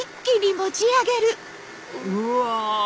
うわ！